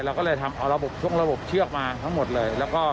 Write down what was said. เราก็เลยเอาระบบชกระบบเชือกมาทั้งหมดเลย